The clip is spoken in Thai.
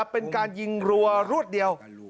เป็นการยิงรัวรวดเดียว